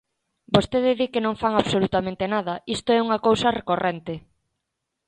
Vostede di que non fan absolutamente nada, isto é unha cousa recorrente.